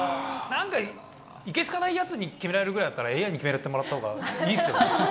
なんかいけ好かないやつに決められるぐらいだったら、ＡＩに決めてもらったほうがいいっすよね。